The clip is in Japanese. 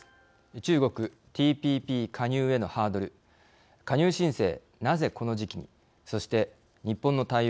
中国、ＴＰＰ加入へのハードル加入申請、なぜこの時期にそして日本の対応